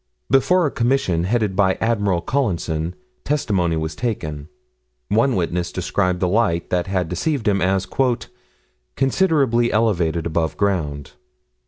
Before a commission, headed by Admiral Collinson, testimony was taken. One witness described the light that had deceived him as "considerably elevated above ground."